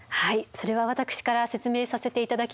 それは私から説明させて頂きます。